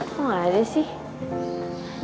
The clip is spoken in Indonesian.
kok gak ada sih